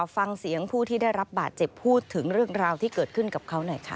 ฟังเสียงผู้ที่ได้รับบาดเจ็บพูดถึงเรื่องราวที่เกิดขึ้นกับเขาหน่อยค่ะ